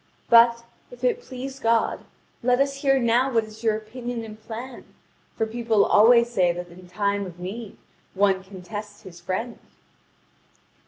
But, if it please God, let us hear now what is your opinion and plan; for people always say that in time of need one can test his friend."